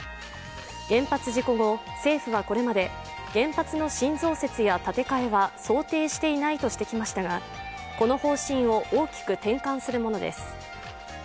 原発事故後、政府はこれまで原発の新増設や建て替えは想定していないとしてきましたがこの方針を大きく転換するものです。